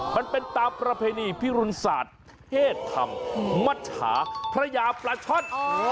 มันเป็นตามประเภณีพิภุสาธิ์เทฐรรมมัชฌาพระยาปลาช่อน